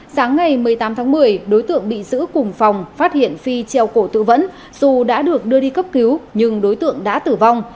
sáng ngày một mươi tám tháng một mươi đối tượng bị giữ cùng phòng phát hiện phi treo cổ tự vẫn dù đã được đưa đi cấp cứu nhưng đối tượng đã tử vong